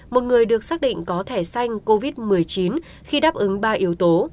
một người được xác định có thẻ xanh covid một mươi chín khi đáp ứng ba yếu tố